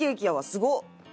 すごっ！